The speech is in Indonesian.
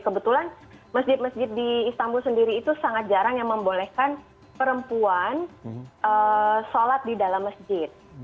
kebetulan masjid masjid di istanbul sendiri itu sangat jarang yang membolehkan perempuan sholat di dalam masjid